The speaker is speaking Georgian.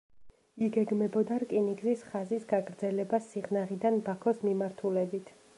იგეგმებოდა რკინიგზის ხაზის გაგრძელება სიღნაღიდან ბაქოს მიმართულებით.